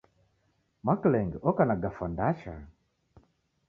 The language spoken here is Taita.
Mwakilenge oka na gafwa ndacha.